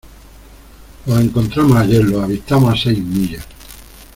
los encontramos ayer. los avistamos a seis millas .